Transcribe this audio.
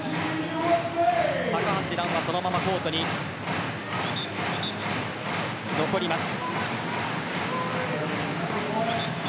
高橋藍は、このままコートに残ります。